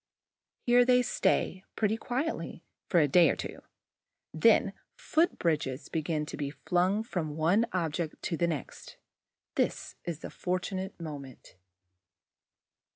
Here they stay, pretty quietly, for a day or two; then foot bridges begin to be flung from one object to the next. This is the fortunate moment.